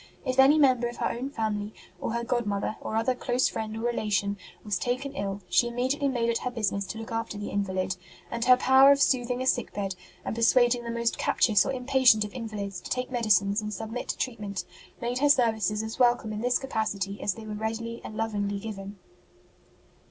If any member of her own family, or her godmother, or other close friend or relation, was taken ill, she immediately made it her business to look after the invalid; and her power of sooth ing a sick bed, and persuading the most captious or impatient of invalids to take medicines and submit to treatment, made her services as wel come in this capacity as they were readily and lovingly given.